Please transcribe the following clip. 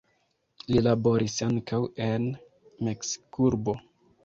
Li laboris ankaŭ en Meksikurbo.